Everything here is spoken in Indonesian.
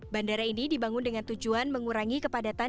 bandara ini dibangun dengan tujuan mengurangi kepadatan